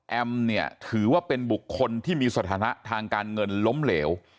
เนี่ยถือว่าเป็นบุคคลที่มีสถานะทางการเงินล้มเหลว